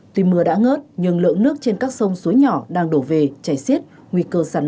tuy mưa đã ngớt nhưng lượng nước trên các sông suối nhỏ đang đổ về chảy xiết nguy cơ sạt lở là rất lớn